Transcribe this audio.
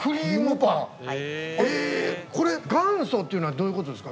えぇこれ元祖というのはどういうことですか？